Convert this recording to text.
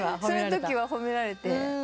そのときは褒められて。